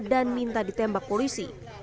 dan minta ditembak polisi